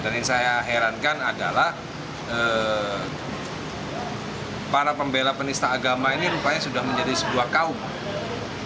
dan yang saya herankan adalah para pembela penista agama ini rupanya sudah menjadi sebuah kaum